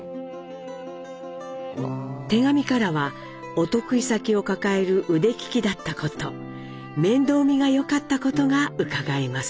手紙からはお得意先を抱える腕利きだったこと面倒見がよかったことがうかがえます。